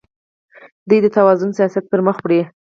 دوی د توازن سیاست پرمخ وړي.